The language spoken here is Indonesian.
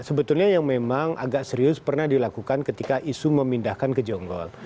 sebetulnya yang memang agak serius pernah dilakukan ketika isu memindahkan ke jonggol